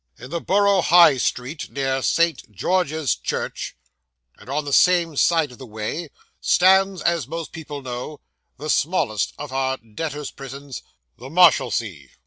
'In the Borough High Street, near St. George's Church, and on the same side of the way, stands, as most people know, the smallest of our debtors' prisons, the Marshalsea.